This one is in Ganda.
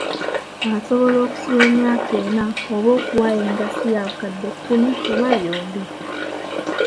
Asobola okusibwa emyaka ena oba okuwa engassi ya bukadde kuumi oba byombi.